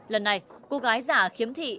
lần này cô gái giả khiếm thị